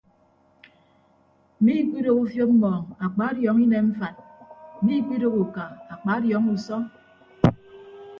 Miikpidooho ufiop mmọọñ akpadiọọñọ inem mfat miikpidooho uka akpadiọọñọ usọ.